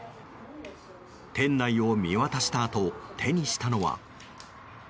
店内を見渡したあと手にしたのは。